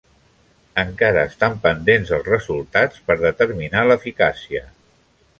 Encara estan pendents els resultats per determinar l'eficàcia.